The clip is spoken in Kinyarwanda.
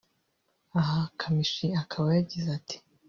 Aha Kamichi akaba yagize ati